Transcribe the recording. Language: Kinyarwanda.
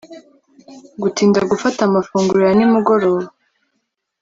Gutinda Gufata Amafunguro ya Nimugoroba